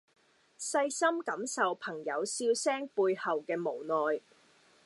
細心感受朋友笑聲背後的無奈